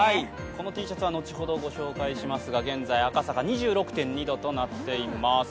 このＴシャツは後ほどご紹介しますが、現在、赤坂２６．２度となっています。